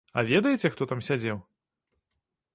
А ведаеце, хто там сядзеў?